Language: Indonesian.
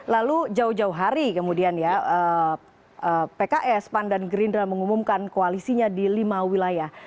lalu jauh jauh hari kemudian ya pks pan dan gerindra mengumumkan koalisinya di lima wilayah